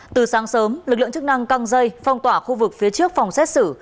từ sáng sớm lực lượng chức năng căng dây phong tỏa khu vực phía trước phòng xét xử